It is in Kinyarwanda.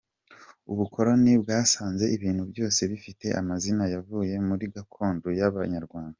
Ubukoroni bwasanze ibintu byose bifite amazina yavuye muri gakondo y’Abanyarwanda.